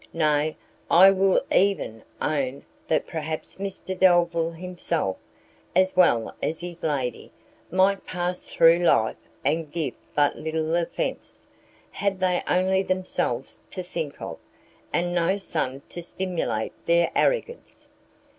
Nay, I will even own that perhaps Mr Delvile himself, as well as his lady, might pass through life and give but little offence, had they only themselves to think of, and no son to stimulate their arrogance."